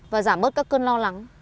và giảm bớt các cơn lo lắng